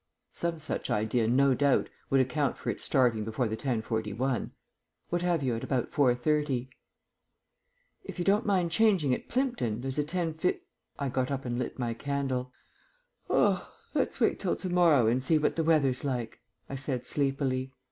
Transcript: "Some such idea, no doubt, would account for its starting before the 10.41. What have you at about 4.30?" "If you don't mind changing at Plimton, there's a 10.5 " I got up and lit my candle. "Let's wait till to morrow and see what the weather's like," I said sleepily.